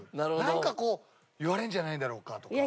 なんかこう言われるんじゃないだろうかとか。